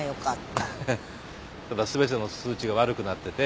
ただ全ての数値が悪くなってて。